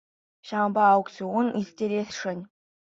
Ҫавӑнпа аукцион ирттересшӗн.